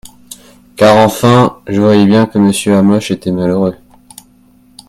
Car enfin, je voyais bien que monsieur Hamoche était malheureux.